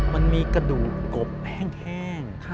มันมีกระดูกกบแห้ง